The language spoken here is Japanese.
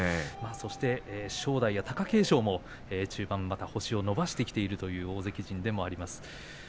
正代や貴景勝も中盤星を伸ばしてきているという大関戦でもあります。